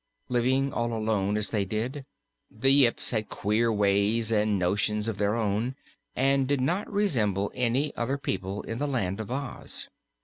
Living all alone as they did, the Yips had queer ways and notions of their own and did not resemble any other people of the Land of Oz.